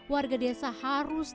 warga desa harus terpaksa